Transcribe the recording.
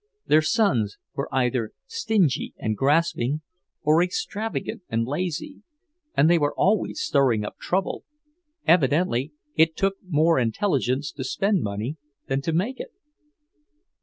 Their sons were either stingy and grasping, or extravagant and lazy, and they were always stirring up trouble. Evidently, it took more intelligence to spend money than to make it.